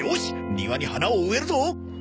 庭に花を植えるぞ！！